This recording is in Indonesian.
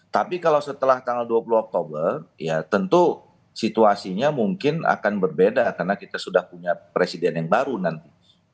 tapi kalau setelah tanggal dua puluh oktober ya tentu situasinya mungkin akan berbeda karena kita sudah punya presiden yang baru nanti